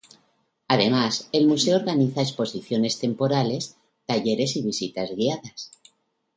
Además, el Museo organiza exposiciones temporales, talleres y visitas guiadas.